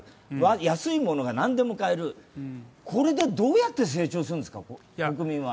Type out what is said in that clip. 安いものが何でも買える、これでどうやって成長するんですか、国民は。